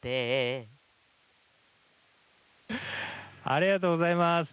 ありがとうございます！